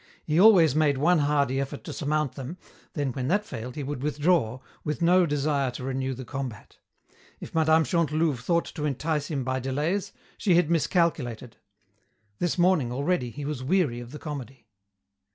He always made one hardy effort to surmount them, then when that failed he would withdraw, with no desire to renew the combat. If Mme. Chantelouve thought to entice him by delays, she had miscalculated. This morning, already, he was weary of the comedy.